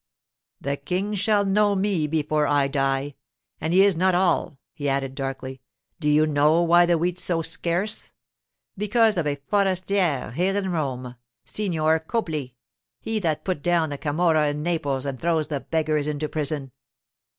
The King shall know me before I die. And he is not all,' he added darkly. 'Do you know why the wheat's so scarce? Because of a forestiere here in Rome—Signor Copli—he that put down the Camorra in Naples and throws the beggars into prison.